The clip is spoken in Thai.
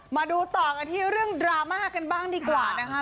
มาดูต่อกันที่เรื่องดราม่ากันบ้างดีกว่านะคะ